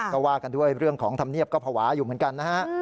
ก็ว่ากันด้วยเรื่องของธรรมเนียบก็ภาวะอยู่เหมือนกันนะฮะ